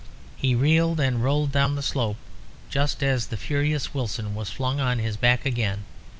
He reeled and rolled down the slope, just as the furious Wilson was flung on his back again.